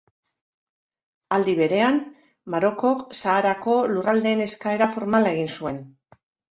Aldi berean, Marokok Saharako lurraldeen eskaera formala egin zuen.